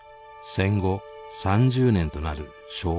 戦後３０年となる昭和５０年。